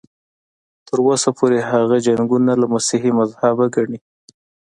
تر اوسه پورې هغه جنګونه له مسیحي مذهبه ګڼي.